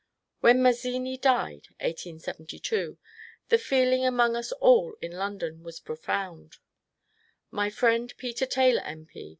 When Mazzini died (1872) the feeling among us all in London was profound. My friend Peter Taylor M. P.